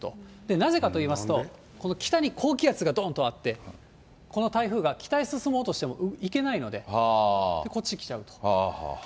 なぜかと言いますと、この北に高気圧がどーんとあって、この台風が北へ進もうとしても行けないので、こっち来ちゃうと。